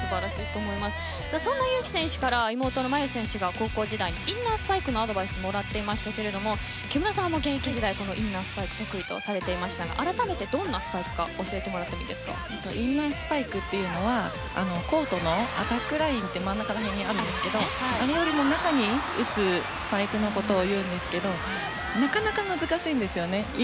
そんな祐希選手から妹の真佑選手が高校時代インナースパイクのアドバイスをもらっていましたが木村さんも現役時代インナースパイクを得意とされていましたが改めてどんなスパイクかインナースパイクというのはコートのアタックラインって真名から辺にあるんですけどあれよりも中に打つスパイクのことをいうんですけどなかなか難しいんですよね。